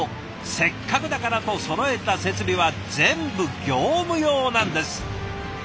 せっかくだからとそろえた設備は全部業務用なんです。